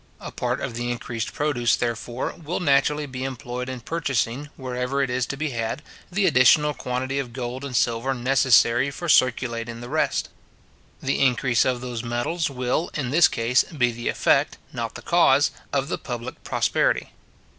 A part of the increased produce, therefore, will naturally be employed in purchasing, wherever it is to be had, the additional quantity of gold and silver necessary for circulating the rest. The increase of those metals will, in this case, be the effect, not the cause, of the public prosperity.